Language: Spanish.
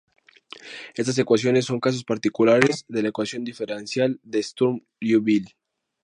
Estas ecuaciones son casos particulares de la ecuación diferencial de Sturm-Liouville.